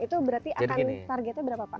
itu berarti akan targetnya berapa pak